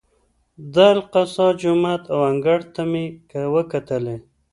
د اقصی جومات او انګړ ته مې وکتلې.